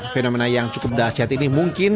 fenomena yang cukup dahsyat ini mungkin